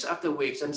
selama beberapa tahun